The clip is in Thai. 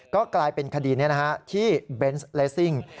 ก็กลายเป็นคดีนี้ที่เบนส์เลสซิ่ง